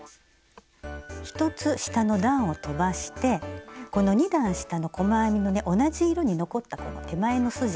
１つ下の段をとばしてこの２段下の細編みのね同じ色に残ったこの手前のすじ。